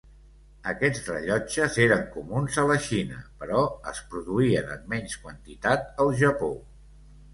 Aquests rellotges eren comuns a la Xina, però es produïen en menys quantitat al Japó.